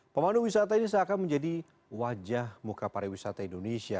pemandu wisata ini seakan menjadi wajah muka para wisata indonesia